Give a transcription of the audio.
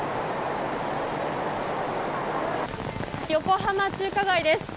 横浜中華街です。